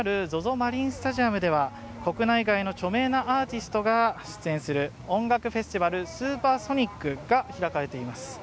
マリンスタジアムでは国内外の著名なアーティストが出演する音楽フェスティバル、ＳＵＰＥＲＳＯＮＩＣが開かれています。